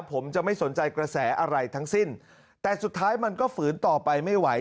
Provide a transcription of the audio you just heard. ผมจะไม่สนใจกระแสอะไรทั้งสิ้นแต่สุดท้ายมันก็ฝืนต่อไปไม่ไหว